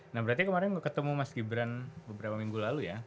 nah berarti kemarin ketemu mas gibran beberapa minggu lalu ya